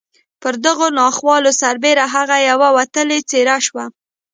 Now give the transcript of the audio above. پر دغو ناخوالو سربېره هغه یوه وتلې څېره شوه